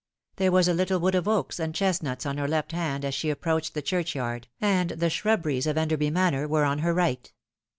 There was a little wood of oal and chestnuts on her left hand as she approached the church yard, and the shrubberies of Enderby Manor were on her right.